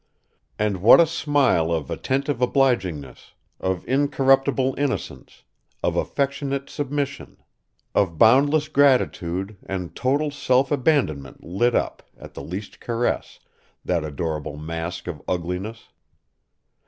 And what a smile of attentive obligingness, of incorruptible innocence, of affectionate submission, of boundless gratitude and total self abandonment lit up, at the least caress, that adorable mask of ugliness!